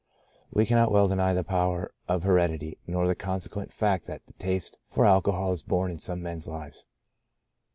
We cannot well deny the power of hered ity, nor the consequent fact that the taste for alcohol is born in some men's lives.